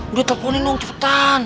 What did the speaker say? udah teleponin dong cepetan